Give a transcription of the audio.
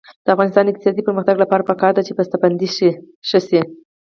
د افغانستان د اقتصادي پرمختګ لپاره پکار ده چې بسته بندي ښه شي.